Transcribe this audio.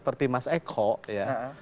seperti mas eko ya